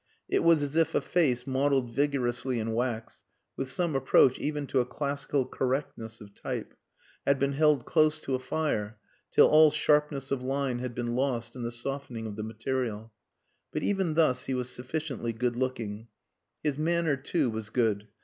It was as if a face modelled vigorously in wax (with some approach even to a classical correctness of type) had been held close to a fire till all sharpness of line had been lost in the softening of the material. But even thus he was sufficiently good looking. His manner, too, was good.